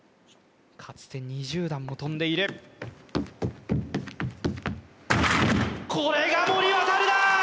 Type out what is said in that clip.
かつて２０段も跳んでいるこれが森渉だー！